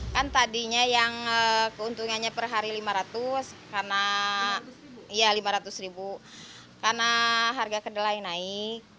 kan tadinya yang keuntungannya per hari rp lima ratus karena harga kedelai naik